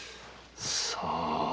さあ？